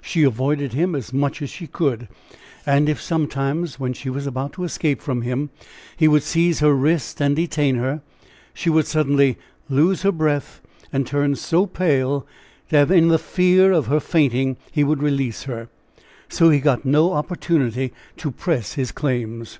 She avoided him as much as she could. And if sometimes, when she was about to escape from him, he would seize her wrist and detain her, she would suddenly lose her breath and turn so pale that in the fear of her fainting, he would release her. So he got no opportunity to press his claims.